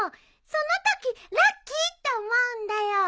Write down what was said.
そのときラッキーって思うんだよ。